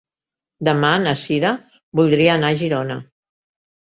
Demà na Cira voldria anar a Girona.